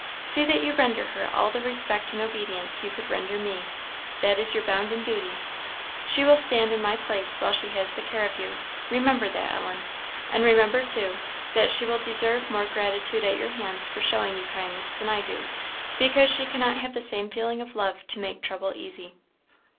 See that you render her all the respect and obedience you could render me; that is your bounden duty; she will stand in my place while she has the care of you remember that, Ellen; and remember, too, that she will deserve more gratitude at your hands for showing you kindness than I do, because she cannot have the same feeling of love to make trouble easy."